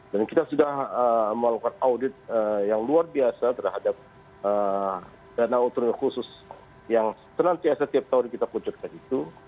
dan kita sudah melakukan audit yang luar biasa terhadap dana otonomi khusus yang senantiasa tiap tahun kita pencetak itu